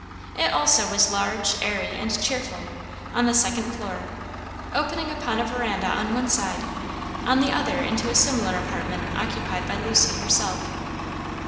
It also was large, airy, and cheerful, on the second floor opening upon a veranda on one side, on the other into a similar apartment occupied by Lucy herself.